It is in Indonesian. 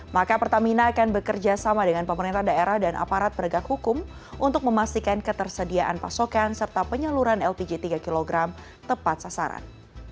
maka pertamina akan bekerja sama dengan pemerintah daerah dan aparat penegak hukum untuk memastikan ketersediaan pasokan serta penyaluran lpg tiga kg tepat sasaran